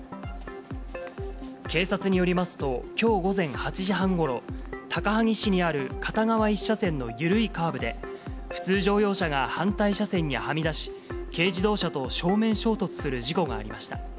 警察によりますと、きょう午前８時半ごろ、高萩市にある片側１車線の緩いカーブで、普通乗用車が反対車線にはみ出し、軽自動車と正面衝突する事故がありました。